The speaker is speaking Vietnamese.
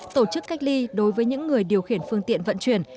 tổ chức cách ly đối với những người điều khiển phương tiện vận chuyển